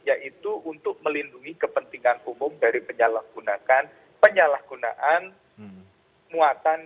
yaitu untuk melindungi kepentingan umum dari penyalahgunaan muatan